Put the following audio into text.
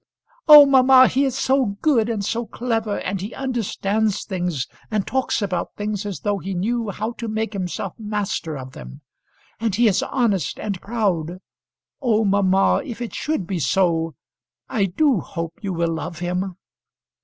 Oh, mamma, he is so good, and so clever, and he understands things, and talks about things as though he knew how to make himself master of them. And he is honest and proud. Oh, mamma, if it should be so, I do hope you will love him."